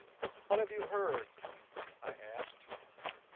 "What have you heard?" I asked.